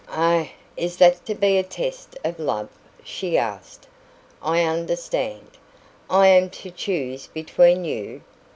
"Ah, is that to be a test of love?" she asked. "I understand. I am to choose between you.